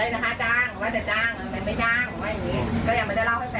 ขอบคุณมากค่ะพี่